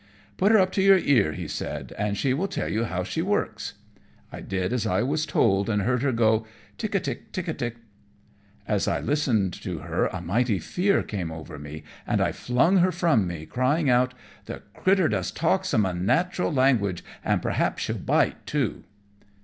"Put her up to your ear," he said, "and she will tell you how she works." I did as I was told, and heard her go "tick a tick, tick a tick." As I listened to her a mighty fear came over me, and I flung her from me, crying out, "The crittur does talk some unnatural language, and perhaps she'll bite too."